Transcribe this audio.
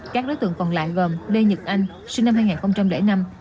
các đối tượng còn lại gồm lê nhật anh sinh năm hai nghìn năm